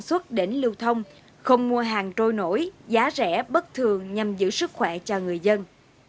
xuất đến lưu thông không mua hàng trôi nổi giá rẻ bất thường nhằm giữ sức khỏe cho người dân